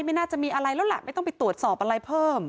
ไม่น่าจะมีอะไรแล้วล่ะไม่ต้องไปตรวจสอบอะไรเพิ่ม